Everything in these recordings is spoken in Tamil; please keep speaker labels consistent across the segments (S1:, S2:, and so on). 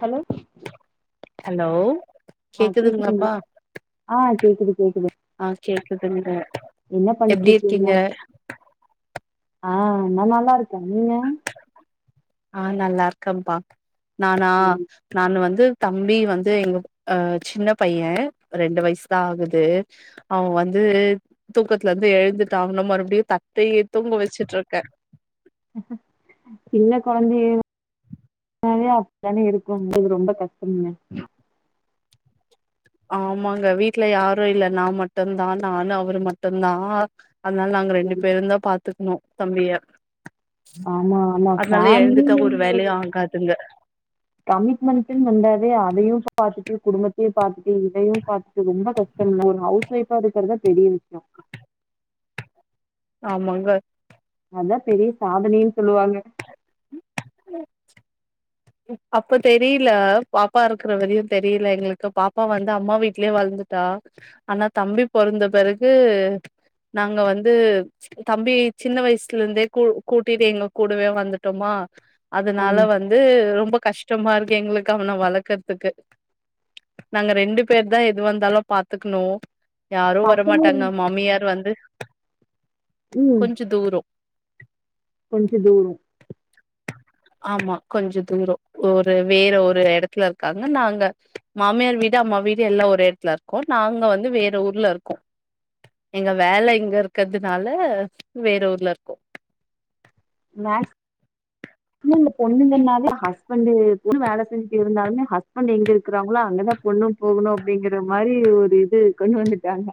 S1: ஹலோ
S2: ஹலோ
S1: ஆ
S2: கேக்குதுங்களாப்பா
S1: கேக்குதுங்ளா ஆ கேக்குது கேக்குது
S2: ஆ கேக்குதுங்க
S1: என்ன
S2: எப்டி
S1: பண்ட்ருக்கீங்க
S2: இருக்கீங்க
S1: ஆ நா நல்லாருக்க நீங்க
S2: ஆ நல்லாருக்கம்ப்பா நானா
S1: சரி.
S2: நானு வந்து தம்பி வந்து எங்கப் அ சின்ன பைய ரெண்டு வயசுதா ஆகுது அவன்‌ வந்து தூக்கத்துலந்து எழுந்துட்டா அவன மறுப்டியு தத்தைய தூங்க வெச்சுட்ருக்க
S1: சின்ன கொழந்தைனாவே அப்தானே இருக்கு அது ரொம்ப கஷ்டம்ங்க
S2: ஆமாங்க வீட்ல யாரு இல்ல நா மட்டுந்தா நானு அவரு மட்டுந்தா அத்னால் நாங்க ரெண்டு பேருந்தா பாத் த்துக்னு தம்பிய
S1: ஆமா ஆமா
S2: அத்னால எழுந்துட்டா
S1: ஃபேமிலினு
S2: ஒரு வேலையு ஆகாதுங்க
S1: கமிட்மெண்டுன் வந்தாவே அதையு பாத்துட்டு குடும்பத்தையு பாத்துட்டு இதையு பாத்துட்டு ரொம்ப கஷ்டமுல்ல ஒரு ஹவுஸ் ஒய்ஃபா இருக்கறதா பெரிய விஷ்யொ
S2: ஆமாங்க
S1: அதா பெரிய சாதனைன் சொல்லுவாங்க
S2: அப்ப தெரில பாப்பா இருக்குற வரையு தெரில எங்ளுக்கு பாப்பா வந்து அம்மா வீட்லயே வளந்துட்டா ஆனா தம்பி பொறந்த பிறகு நாங்க வந்து தம்பி சின்ன வயசுலந்தே கூ கூட்டிட்டு எங்க கூடவே வந்துட்டோமா அதுனால
S1: ம்
S2: வந்து கஷ்டமா இருக்கு எங்களுக்கு அவன வளக்கற்துக்கு நாங்க ரெண்டு பேர்தா எது வந்தாலு பாத்துக்ணு யாரு
S1: பசங்க
S2: வரமாட்டாங்க மாமியார் வந்து
S1: ம்
S2: கொஞ்ச தூரொ
S1: கொஞ்ச தூரொ
S2: ஆமா கொஞ்ச தூரொ ஒரு வேற ஒரு எடத்துல இருக்காங்க நாங்க மாமியார் வீடு அம்மா வீடு எல்லா ஒரே எடத்துல இருக்கோ நாங்க வந்து வேற ஊர்ல இருக்கோ எங்க வேல இங்க இருக்கதுனால வேற ஊர்ல இருக்கோ
S1: மேஸ் இன்னுந்த பொண்ணுங்கனாலே ஹஸ்பண்டு பொண்ணு வேல செஞ்சுட்டு இருந்தாலுமே ஹஸ்பண்ட் எங்க இருக்குறாங்களோ அங்கதா பொண்ணு போகணு அப்டிங்குற மாரி ஒரு இது கொண்டு வந்துட்டாங்க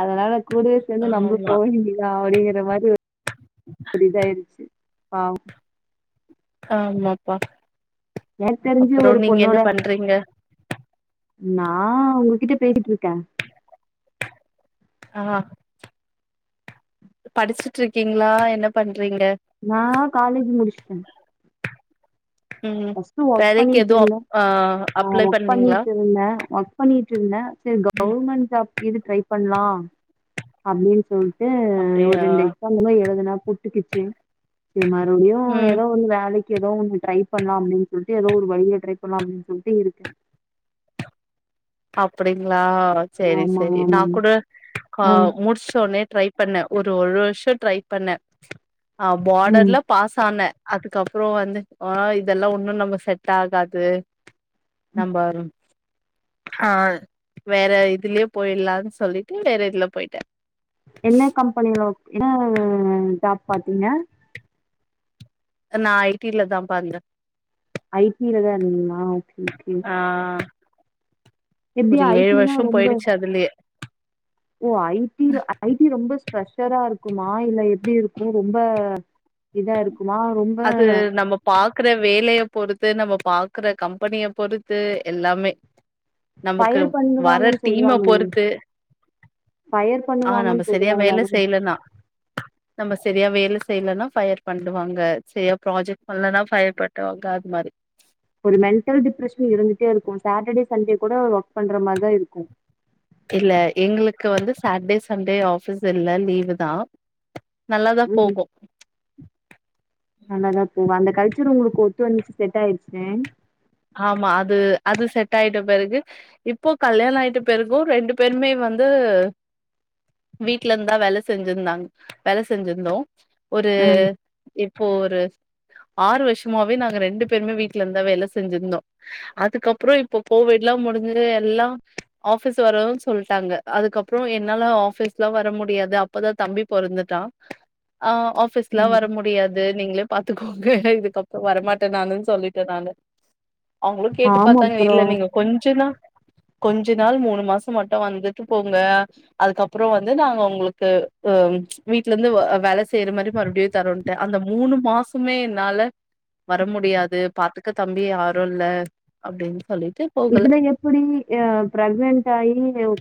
S1: அதனால கூடவே சேந்து நம்ளு
S2: ஆமா
S1: போவேண்டிதா அப்டிங்கிற மாரி ஒ ஒரு இதாயிடுச்சு பாவு
S2: ஆமாப்பா
S1: எனக்கு தெரிஞ்சு
S2: அப்புறோ
S1: ஒரு
S2: நீங்க என்ன
S1: பொண்ணோட
S2: பண்றீங்க
S1: நான் உங்ககிட்ட பேசிட்டு இருக்கேன்
S2: ஆஹ் படிச்சிட்ருக்கீங்களா என்ன பண்ண
S1: நான் காலேஜ் முடிச்சுட்டேன்
S2: ம்
S1: பஸ்டு ஒர்க்
S2: வேலைக்கு
S1: பண்ணிட்டு
S2: எதுவு அப்
S1: இருந்தேன்
S2: ஆ
S1: ஆஹ்
S2: அப்ளை
S1: ஒர்க்
S2: பண்ணீங்களா
S1: பண்ணிட்டு இருந்தேன் ஒர்க் பண்ணிட்டு இருந்தேன் சரி
S2: ம்
S1: கவுவர்மெண்ட் ஜாப் எதும் ட்ரை பண்லா அப்டினு சொல்டு ஒரு
S2: அப்டியா
S1: ரெண்டு எக்ஸாம்லா எழுதுனா புட்டுக்குச்சு சரி மறுபடியும்
S2: ம்
S1: ஏதோ ஒரு வேலைக்கு ஏதோ ஒன்னு டிரை பண்ணலாம் அப்படின்னு சொல்லிட்டு ஏதோ ஒரு வழியில ட்ரை பண்ணலா அப்படின்னு சொல்லிட்டு இருக்கேன்
S2: அப்படி ங்களா செரி
S1: ஆமா,
S2: செரி நான்
S1: ஆமாங்க.
S2: கூட ஆஹ்
S1: ம்,
S2: முடிச்சோனே ட்ரை பண்ண ஒரு வருஷம் ட்ரை பண்ண ஆ
S1: ம்.
S2: பார்டர்ல பாஸ் ஆன அதுக்கப்பறம் வந்து ஓ இதெல்லா ஒன்னு நம்ம செட் ஆகாது நம்ப ஆஹ் வேற இதுலயே போய்ட்லான்னு சொல்லிட்டு வேற இதுல போயிட்டே
S1: என்ன கம்பெனில ஒர்க் என்ன உஹம் ஜாப் பாத்தீங்க
S2: நான் ஐ டில தா பாத்த
S1: ஜ டிலதா இருந்தீங்களா ஆஹ் ஓகே ஓகே எப்படி
S2: ஒரு ஏழு
S1: ஐடினா
S2: வருஷம்
S1: ரொம்ப
S2: போயிடுச்சு அதுலையே
S1: ஓ ஐ டி ஐ டி ரொம்ப ஸ்ஃப்ரெஷரா இருக்குமா இல்ல எப்படி இருக்கும் ஆ ரொம்ப இதா இருக்குமா? ரொம்ப
S2: அது நம்ம பாக்குற வேலைய பொறுத்து நம்ம பாக்குற கம்பெனிய பொறுத்து எல்லாமே நமக்கு
S1: ஃபயர்
S2: வர
S1: பண்ணுவாங்கன்னு
S2: டீம்ம
S1: சொல்றாங்களே!
S2: பொறுத்து
S1: ஃபயர்
S2: ஆஹ் நம்ம
S1: பண்ணுவாங்கன்னு
S2: சரியா
S1: சொல்றாங்களே!
S2: வேலை
S1: அது
S2: செய்யலன்னா நம்ம சரியா வேலை செய்யலனா ஃப்யர் பண்ணுவாங்க சரியா ப்ராஜெக்ட் பண்ணலனா ஃப்யர் பன்டுவாங்க அது மாதிரி
S1: ஒரு மென்டல் டிப்ரெஷன் இருந்துட்டே இருக்கும் சாட்டர்டே சண்டே கூட ஒர்க் பண்ற மாதிரிதா இருக்கும்
S2: இல்ல எங்களுக்கு வந்து சாட்டர்டே சண்டே ஆபீஸ் இல்ல லீவு தா நல்லாதா
S1: ம்.
S2: போகும்
S1: நல்லாதா போகும் அந்த கல் சர் உங்களுக்கு ஒத்து வந்துச்சு செட் ஆயிடுச்சு
S2: ஆமா அது அது செட் ஆயிட்ட பருகு இப்போ கல்யாணம் ஆயிட்ட பருக்கும் ரெண்டு பேருமே வந்து வீட்ல இருந்தா வேல செஞ்சிருந்தாங்க வேல செஞ்சிருந்தோம் ஒரு
S1: ஆ
S2: இப்போ ஒரு ஆறு வருஷமாவே நாங்க ரெண்டு பேருமே வீட்டுல இருந்தா வேலை செஞ்சிருந்தோம் அதுக்கப்புறம் இப்ப கோவிட் எல்லாம் முடிஞ்சு எல்லாம் ஆபீஸ் வரதுன்னு சொல்லிட்டாங்க அதுக்கப்புறம் என்னால ஆபீஸ் எல்லாம் வர முடியாது அப்பதா தம்பி பொறந்துடா ஆஹ் ஆபிஸ்லாம்
S1: ம்
S2: வர முடியாது நீங்களே பாத்துக்கோங்க இதுக்கப்புறம் வரமாட்டேன் நானு சொல்லிட்டேன் நானு அவங்களும் கேட்டு
S1: ஆமா
S2: பார்த்தாங்க
S1: அப்புறோ
S2: இல்ல நீங்க கொஞ்ச தா கொஞ்ச நாள் மூணு மாசம் மட்டும் வந்துட்டு போங்க அதுக்கப்புறம் வந்து நாங்க உங்களுக்கு அஹ் வீட்ல இருந்து வேல செய்யற மாதிரி மறுபடியும் தரட்டேன் அந்த மூணு மாசமே என்னால வர முடியாது பாத்துக்க தம்பி யாரும் இல்ல அப்படின்னு சொல்லி
S1: இதுல எப்படி பிரேக்னன்ட் ஆகி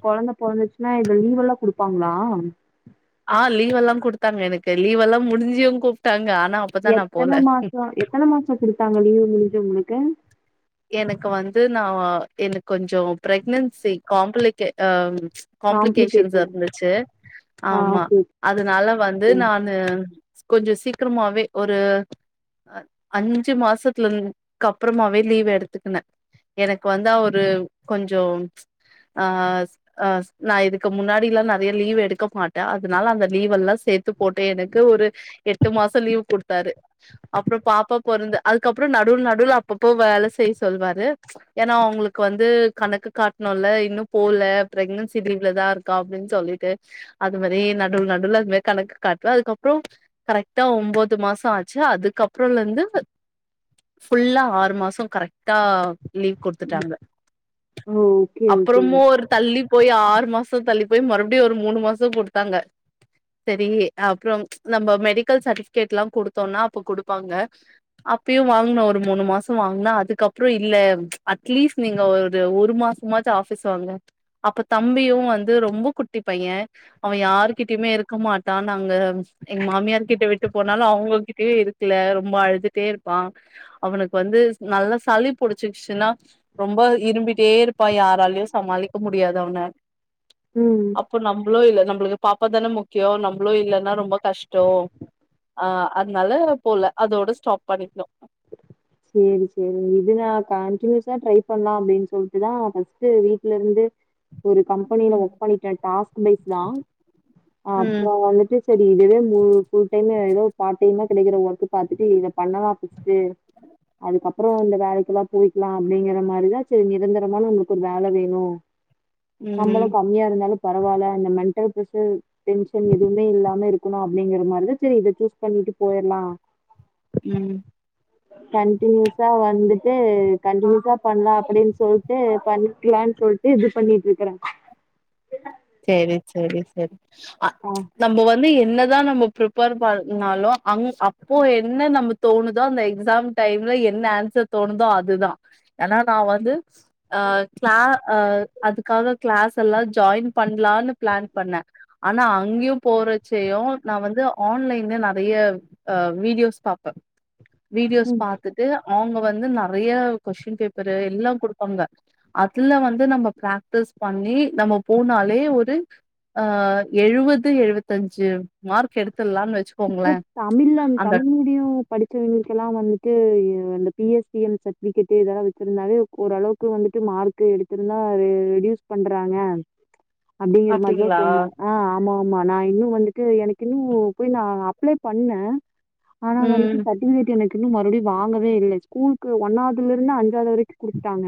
S1: குழந்தை பொழந்துச்சுன்னா இது லீவ் எல்லாம் குடுப்பாங்களா
S2: ஆஹ் லீவ் எல்லாம் கொடுத்தாங்க எனக்கு லீவ் எல்லாம் முடிஞ்சும் கூப்பிட்டாங்க
S1: எத்தன மாசம் எத்தன மாசம் கொடுத்தாங்க லீவு முஞ்ச உங்களுக்கு க
S2: எனக்கு வந்து நா எனக்கு கொஞ்சம் பிரேக்னன்சி காம் பில்க்கே அஹ் காம்ப்ளிகேஷன்ஸ்
S1: காம்ப்ளிகேட்டட்
S2: இருந்துச்சு
S1: ஆ
S2: ஆமா
S1: ஓகே
S2: அதனால வந்து
S1: ஓகே
S2: நானு கொஞ்சம் சீக்கிரமாவே ஒரு அஞ்சு மாசத்துல இருக்கு அப்புறமாவே லீவ் எடு எதுக்குண எனக்கு வந்து அவரு கொஞ்சம் அஹ நா இதுக்கு முன்னாடி எல்லாம் நிறைய லீவ் எடுக்க மாட்டேன் அதனால அந்த லீவ எல்லாம் சேர்த்து போட்டு எனக்கு ஒரு எட்டு மாசம் லீவ் கொடுத்தாரு அப்புறம் பாப்பா பொறந்த அதுக்கப்புறம் நடுவுல நடுவுல அப்பப்ப வேல செய் சொல்வாரு ஏன்னா அவங்களுக்கு வந்து கணக்கு காட்டணும்ல இன்னும் போல பிரெக்னன்சி லீவ்லதா இருக்கா அப்படின்னு சொல்லிட்டு அது மாதிரி நடுல நடுல அது மாதி கணக்கு காட்டுல அதுக்கப்புறம் கரெகா ஒன்பது மாசம் ஆச்சு அதுக்கப்புறம் இருந்து ஃபுல்லா ஆறு மாசம் கரெக் டா லீவ் குடுத்துட்டாங்க
S1: ஓ ஓகே ஓகே
S2: அப்புறமும் ஒரு தள்ளி போய் ஆறு மாச தள்ளி போய் மறுபடியு ஒரு மூணு மாசம் குடுத்தாங்க செரி அப்பறம் நம்ப மெடிக்கல் சர்டிஃபிக்கேட்லா குடுத்தோன்னா அப்ப குடுப்பாங்க அப்பியும் வாங்கன ஒரு மூணு மாசம் வாங்கற அதுக்கப் அப்பறம் இல்ல அட்லீஸ்ட் நீங்க ஒரு ஒரு மாசமாச்சும் ஆஃபீஸ் வாங்க அப்ப தம்பியும் வந்து ரொம்ப குட்டி பையன் அவன் யாரு்கிட்டயுமே இருக்க மாட்டான் நாங்க எங்க மாமியார்கிட்ட விட்டு போனாலும் அவுங்க கிட்டயும் இருக்கல ரொம்ப அழுதுட்டே இருப்பான் அவுனுக்கு வந்து நல்ல சளி புடிச்சிச்சுன்னா ரொம்ப இரும்பிட்டே இருப்பா யாராலயும் சமாளிக்க முடியாத அவன
S1: ம்
S2: அப்போ நம்பளோ இல்ல நம்பளுக்கு பாப்பா தானே முக்கியம் நம்பளும் இல்லன்னா ரொம்ப கஷ்டம் ஆ அதனால போல அதோட ஸ்டாப் பண்ணிக்கணு
S1: செரி செரி இது தா கண்டினியூஸா ட்ரை பண்ணலாம் அப்பிடின்னு சொல்ட்டுதான் ஃபஸ்ட் வீட்ல இருந்து ஒரு கம்பெனியில
S2: ம்
S1: ஒர்க் பண்ணிர்க்க டாஸ்க் பேஸ் தான்
S2: ம்
S1: அப்பறம் வந்துட்டு சரி இதுவே மு ஃபுல் டைம் ஏதோ பாடைமா கெடைக்கிற ஒர்க் பாத்துட்டு இத பண்ணலாம் ஃபஸ்ஈட்டு அதுக்கப்பறம் அந்த வேலைக்கெல்லாம் போயிக்கலாம் அப்பிடிங்கிற மாரிதான் செரி நிரந்தரமான நம்புளுக்கு ஒரு வேல வேணு
S2: ம்
S1: சம்பளம் கம்மியா இருந்தாலும் பரவால்ல இந்த மெ [unintelligible] எதுவுமே இல்லாம இருக்கணும் அப்பிடிங்கற மாதிரிதான் செரி இத சூஸ் பண்ணிட்டு போயிர்லாம்
S2: ம்
S1: கண்டினியூஸா வந்துட்டு கன்டினியூஸா பண்ணலாம் அப்பிடின்னு சொல்ட்டு பண்ணிக்கலாம்னு சொல்ட்டு இது பண்ணிட்டு இருக்கறேன்
S2: செரி செரி செரி அ
S1: ஆ
S2: நம்ப வந்து எ என்னதான் நம்ம பிரிப்பேர் பண்ணாலும் அங் அப்போ என்ன நம்ப தோணுதோ அந்த எக்ஸாம் டைம்ல என்ன ஆன்சர் தோணுதோ அதுதான் ஏன்னா நான் வந்து அ க்ளா அ அதுக்காக க்ளாஸ் எல்லாம் ஜாய்ன் பண்ணலானு பிளான் பண்ண ஆனா அங்கேயும் போறச்சையும் நா வந்து ஆன்லைன்ல நிறைய ஆ வீடியோஸ் பாபே
S1: ம்
S2: வீடியோஸ் பாத்துட்டு அவங்க வந்து நிறைய கொஸ்டின் பேப்பரு எல்லாம் கொடுப்பாங்க அதுல வந்து நம்ம பிராக்டிஸ் பண்ணி நம்ம போன ஒரு எழுபது எழுபத்தஞ்சு மார்க் எடு
S1: இப்ப தமிழ்ல தமிழ் மீடியம் படிச்சவங்களுளுக்கு எல்லாம் வந்துட்டு பி எஸிஎம் சர்டிபிகேட்டு இதெல்லாம் வச்சிருந்தாலே ஓரளவுக்கு வந்துட்டு மார்க் எடுத்திருந்தா ரெட்யூஸ் பண்றாங்க அப்படிங்கிற மாதிரிதா
S2: அப்டிங்களா
S1: சொன்னா ஆ ஆமா ஆமா நா இன்னும் வந்துட்டு எனக்கு இன்னும் போய் நா அப்ளை பண்ண ஆனா அதளைக்கு
S2: ம்
S1: சர்டிபிகேட் எனக் இன்னும் மறுபடியும் வாங்கவே இல்ல ஸ்கூலுக்கு ஒன்னாவதுல இருந்து அஞ்சது வரைக்கும் குடுத்துட்டாங்க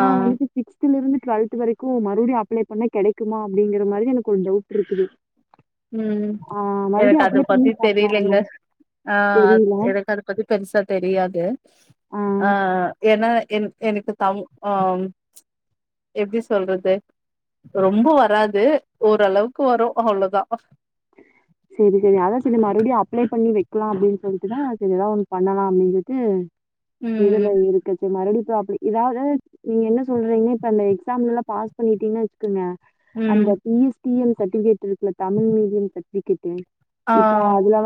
S2: ஆ
S1: வந்துட்டு சிக்ஸ்தல இருந்து டுவெல்த் வரைக்கும் மறுபடியும் அப்ளை பண்ண கிடைக்குமா அப்படிங்கற மாதிரி எனக்கு ஒரு டவுட் இருக்குது
S2: ம்
S1: ஆ
S2: எனக்கு
S1: மறுபடியும்
S2: அது
S1: அப்ளை பண்ணி
S2: பத்தி தெரியலங்க
S1: பார்க்கலாமா?
S2: ஆ
S1: தெரியல.
S2: எனக்கு அது பத்தி பெருசா தெரியாது ஆ ஏன்னா என் எனக்கு தம் ஆ எப்படி சொல்றது ரொம்ப வராது ஓரளவுக்கு வரும் அவ்வளோதா ஆ
S1: சரி சரி அதா சரி மறுபடியு அப்ளை பண்ணி வைக்கலா அப்படின்னு சொல்லிட்டுதா சரி ஏதாவ ஒண்ணு பண்ணலா அப்படின்னு சொல்லிட்டு இது
S2: ம்
S1: எல்லா இருக்கச்ச மரடி சோ அப்படி இதாவது நீங்க என்ன சொல்றீங்கன்னா இப்ப அந்த எக்ஸாம்ல எல்லா பாஸ் பண்ணிட்டீங்கன்னா வச்சுக்கோங்க
S2: ம்
S1: அந்த பிஎஸ் பைஎல் சர்டிபிகேட் இருக்குல தமிழ் மீடியம் சக்குட்ட
S2: ஆ
S1: இப்பா அதுலா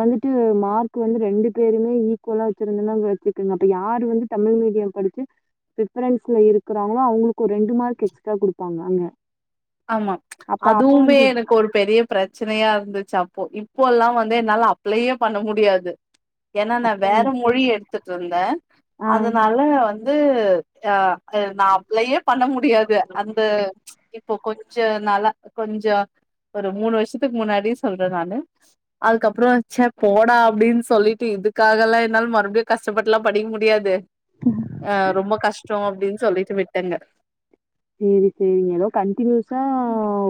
S1: மார்க் வந்து ரெண்டு பேருமே
S2: ஆமா
S1: அப்ப அப்ப
S2: அதுவுமே
S1: வந்து
S2: எனக்கு ஒரு பெரிய பிரச்சனையா இருந்துச்சு அப்போ இப்போ எல்லாம் வந்து என்னால அப்ளயே பண்ண முடியாது ஏனா நா
S1: அப்ப
S2: வேற மொழி எடுத்துட்டு இருந்த
S1: ஆஹ்
S2: அதனால வந்து ந்து ஆஹ நான்ளயே பண்ண முடியாது அந்த இப்போ கொஞ்சோ நலா கொஞ்சோ ஒரு மூணு வருஷத்துக்கு முன்னாடிய சொல்ற நானு அதுக்கப்ரோ ச்ச போடா அப்படின்னு சொல்லிட்டு இதுக்காகல்லா என்னால மறுபடியு கஷ்டப்பட்டு எல்லா படிக்க முடியாது அஹ் ரொம்ப கஷ்டோ அப்படின்னு சொல்லிட்டு விட்டங்க
S1: செரி செரி எதோ கன்டினூஸா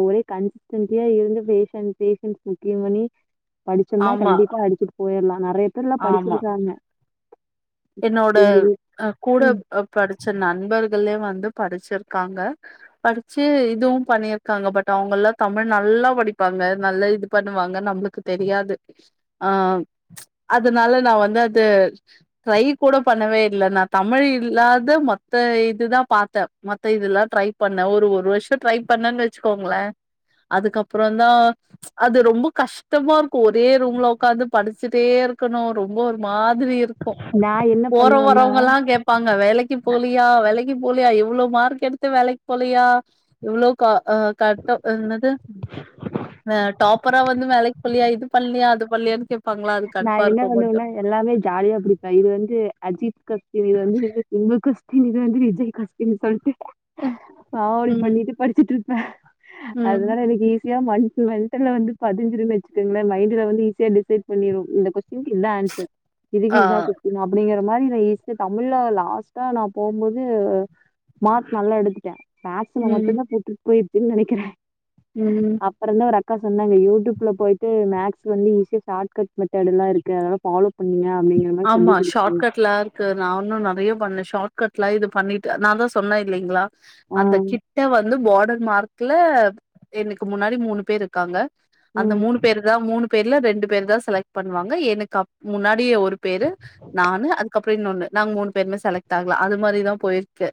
S1: ஒரே கன் சன்டியா இருந்த பேஷன் பேஷன்ஸ் புக்கிங் பண்ணி படுச்சம்னா
S2: ஆமா
S1: கண்டிப்பா அடுச்சுட் போயர்லா நறைய துர்லா
S2: ஆமா
S1: படுச்சுட்தாங்க
S2: என்னோட அ கூட
S1: ம்.
S2: அ படுச்ச நண்பர்களே வந்து படிச்சிருக்காங்க படிச்சு இதுவு பண்ணிருக்காங்க பட் அவுங்கல்லா தமிழ் நல்லா படிப்பாங்க நல்லா இது பண்ணுவாங்க நம்மளுக்கு தெரியாது ஆ அதனால நா வந்து அது ட்ரை கூட பண்ணவே இல்ல நா தமிழ் இல்லாத மத்த இதுதா பாத்தே மத்த இதுல்லா ட்ரை பண்ணே ஒரு ஒரு வருஷோ ட்ரை பண்ணேன்னு வச்சுக்கோங்களே அதுக்கப்புறந்தா அது ரொம்ப கஷ்டமா இருக்கு ஒரே ரூம்ல உக்காந்து படிச்சிட்டே இருக்கணு ரொம்ப ஒரு மாதிரி இருக்
S1: நான் என்ன
S2: போற
S1: பண்ணுவேன்னா
S2: வரவுங்கல்லா கேப்பாங்க வேலைக்கு போலியா வேல வேலைக்கு போலியா இவ்ளோ மார்க் எடுத்து வேலைக்கு போலியா இவ்ளோ கா அ கட் ஆ என்னது ஆ டாப்பரா வந்து வேலைக்கு போலியா இது பண்லையா அது பண்லையானு
S1: நா என்ன பண்ணுவன்னா எல்லாமே ஜாலியா படிப்பே இது வந் து அஜித் க இது வந்து [unintelligible] தினி தா வந்து விஜய் காஸ்டீயூம்னு சொல்ட்டு காமெடி
S2: ம்.
S1: பண்ணிட்டு படிச்சுட்ருப்பே
S2: ம்.
S1: அதனால எனக்கு ஈஸி [unintelligible] வந்து பதிஞ்சுதுனு வச்சுக்கங்களே மைண்டல வந்து ஈஸியா டிசைட் பண்ணிரு இந்த கொஸ் இதுக் இது தா ஆன்சர் இதுக்கி
S2: ஆ.
S1: இதா குடுக்கனு அப்டிங்கற மாரி [unintelligible] தமிழ்ல லாஸ்டா நா போம்போது மார்க்ஸ் நல்லா எடுத்துட்ட மாச
S2: ம்.
S1: மட்டுதான் போட்ரிக் போயிருச்சுனு நெனக்கிறே
S2: ம்
S1: அப்ற தா ஒரு அ அக்கா சொன்னாங்க யூடியூப்ல போய்ட்டு மேக்ஸ் வந்து ஈஸியா சால்வ் [unintelligible] மெதட்லா இருக்கு அதல்லா ஃபாலோ பண்ணீங்க
S2: ஆமா ஷாட் கட் லா ருக்கு நா ஒன்னு நறையா பண்ணே ஷாட் கட் லாம் இது பண்ணிட்டு நா தா சொன்னெ இல்லீங்களா
S1: ஆ.
S2: அந்த கிட்ட வந்து பார்டர் மார்க் தில எனக்கு முன்னாடி மூணு பேர் இருக்காங்க அந்த
S1: ம்.
S2: மூணு பேரு தா மூணுப் பேர்ல ரெண்டு பேர் தா செலக்ட் பண்வாங்க எனக்கு அப் முன்னாடியே ஒரு பேரு நானு அதுகப் அப்டின்னொன்னு நாங்க மூனு பேருமே செலக்ட் ஆகல அது மாரிதா போயிருக்கு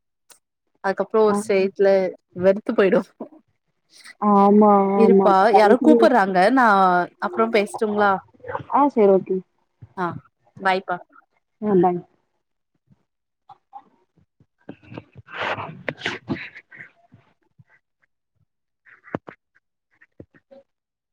S2: அதுக்கப்ரோ
S1: ஆ
S2: ஒரு சேட்ல வெறுத்து போயிடு
S1: ஆமா ஆமா
S2: இருப்பா யாரோ கூப்புட்றாங்க நா அப்புறோ பேசட்டுங்களா
S1: [unintelligible] ஆ சேர் ஓகே
S2: பாய்பா
S1: ஆ பாய்.